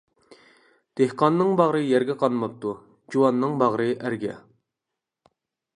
دېھقاننىڭ باغرى يەرگە قانماپتۇ، جۇۋاننىڭ باغرى ئەرگە.